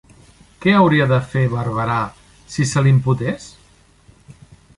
Què hauria de fer Barberà si se l'imputés?